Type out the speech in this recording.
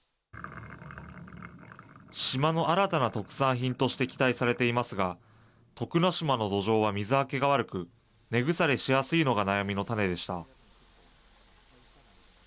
島の新たな特産品として期待されていますが、徳之島の土壌は水はけが悪く、根腐れしやすいのが悩みの種でした。